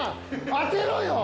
当てろよ！